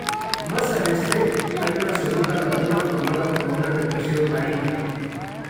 Más al este, hay una segunda laguna formada por una depresión marina.